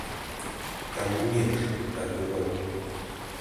Там не менш, так было.